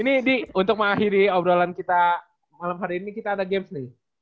ini untuk mengakhiri obrolan kita malam hari ini kita ada games nih